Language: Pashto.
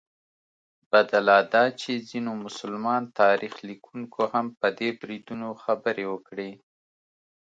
بده لا دا چې ځینو مسلمان تاریخ لیکونکو هم په دې بریدونو خبرې وکړې.